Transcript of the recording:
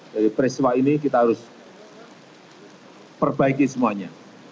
jadi peristiwa ini kita harus perbaiki semuanya